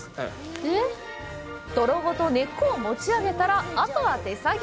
泥ごと根っこを持ち上げたら、あとは手作業。